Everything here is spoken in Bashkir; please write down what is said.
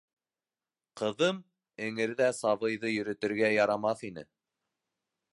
Ҡыҙым, эңерҙә сабыйҙы йөрөтөргә ярамаҫ ине...